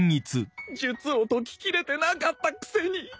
術を解ききれてなかったくせに